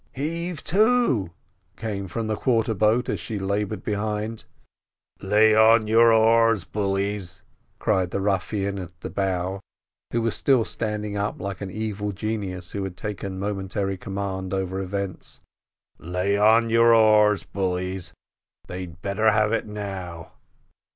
"Heave to!" came from the quarter boat, as she laboured behind. "Lay on your oars, bullies!" cried the ruffian at the bow, who was still standing up like an evil genius who had taken momentary command over events. "Lay on your oars, bullies; they'd better have it now."